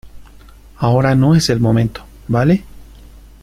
ahora no es el momento, ¿ vale?